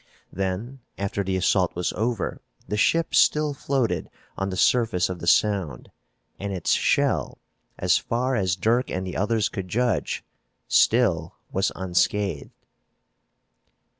Then, after the assault was over, the ship still floated on the surface of the Sound and its shell, as far as Dirk and the others could judge, still was unscathed.